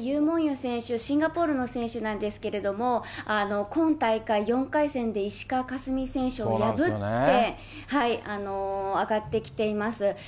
ユー・モンユ選手、シンガポールの選手なんですけれども、今大会４回戦で石川佳純選手を破って、上がってきています。